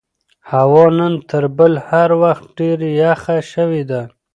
هوا نن تر بل هر وخت ډېره یخه شوې ده.